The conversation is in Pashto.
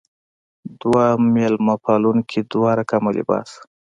دوه مېلمه پالونکې دوه رقمه لباس.